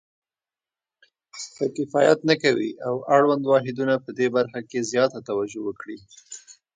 خو کفایت نه کوي او اړوند واحدونه پدې برخه کې زیاته توجه وکړي.